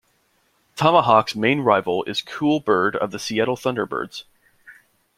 Tom-A-Hawk's main rival is Cool Bird of the Seattle Thunderbirds.